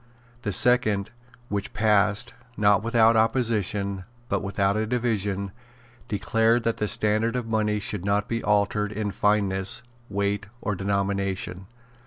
The second, which passed, not without opposition, but without a division, declared that the standard of money should not be altered in fineness, weight or denomination.